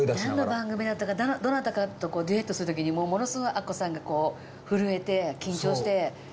なんの番組だったかどなたかとデュエットする時にものすごいアッコさんがこう震えて緊張して。